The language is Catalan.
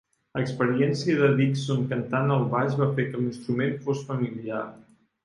L'experiència de Dixon cantant el baix va fer que l'instrument fos familiar.